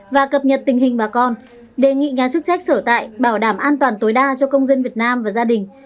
và cập nhật tình hình bà con đề nghị nhà chức trách sở tại bảo đảm an toàn tối đa cho công dân việt nam và gia đình